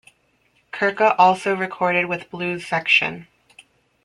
Kirka also recorded with Blues Section.